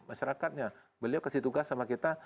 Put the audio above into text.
masyarakatnya beliau kasih tugas sama kita